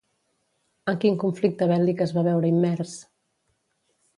En quin conflicte bèl·lic es va veure immers?